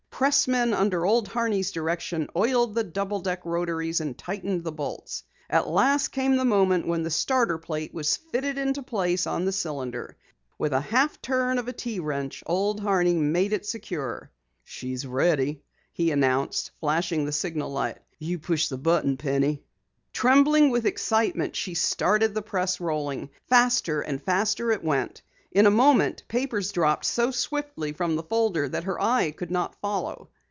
Pressmen under Old Horney's direction oiled the double deck rotaries and tightened bolts. At last came the moment when the starter plate was fitted into place on the cylinder. With a half turn of a T wrench Old Horney made it secure. "She's ready," he announced, flashing the signal light. "You push the button, Penny." Trembling with excitement, she started the press rolling. Faster and faster it went. In a moment papers dropped so swiftly from the folder that her eye could not follow.